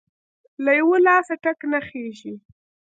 له يوه لاسه ټک نه خیژي!.